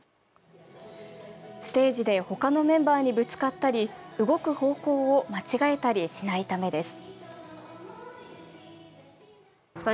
ステージでほかのメンバーにぶつかったり動く方向を間違えたりしないためです。